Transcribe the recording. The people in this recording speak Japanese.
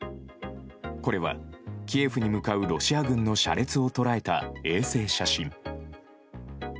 これはキエフに向かうロシア軍の車列を捉えた衛星写真。